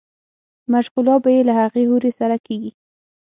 مشغولا به ئې له هغې حورې سره کيږي